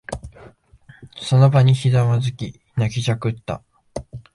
その場にひざまずき、泣きじゃくった。